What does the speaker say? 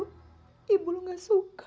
tapi muncul nenek terlalu tebak pada pucat